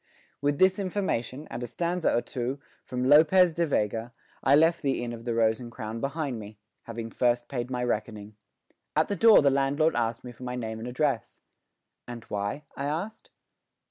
With this information and a stanza or two from Lopez de Vega I left the Inn of the Rose and Crown behind me, having first paid my reckoning. At the door the landlord asked me for my name and address. "And why?" I asked.